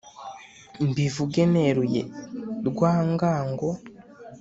mbivuge neruye rwangango